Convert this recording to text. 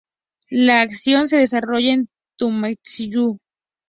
La acción se desarrollaba en Tahuantinsuyo.